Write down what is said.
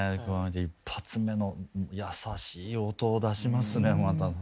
一発目の優しい音を出しますねまた。